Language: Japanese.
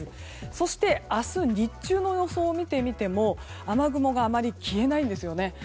そして明日日中の予想を見てみても雨雲があまり消えないんですね。